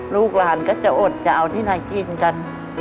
ลูกหลานก็จะอดจะเอาที่ไหนกินกัน